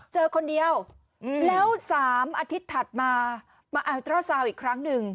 เจอคนเดียวแล้ว๓อาทิตย์ถัดมามาอัลตราซาวน์อีกครั้งหนึ่ง